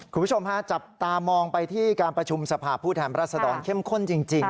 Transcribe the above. คุณผู้ชมฮะจับตามองไปที่การประชุมสภาพผู้แทนรัศดรเข้มข้นจริง